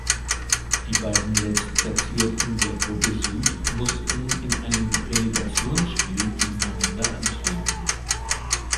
Die beiden Letztplatzierten der Gruppe "Süd" mussten in einem Relegationsspiel gegeneinander antreten.